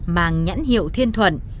màng nhãn hiệu thiên thuận